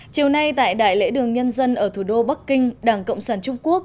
chiều nay tại đại lễ đường nhân dân ở thủ đô bắc kinh đảng cộng sản trung quốc